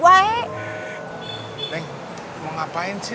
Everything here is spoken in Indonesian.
neng mau ngapain sih